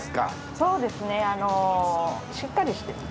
そうですねしっかりしてる。